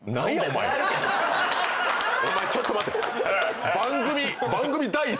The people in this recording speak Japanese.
お前ちょっと待て！番組。